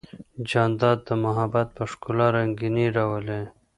جانداد د محبت په ښکلا رنګینی راولي.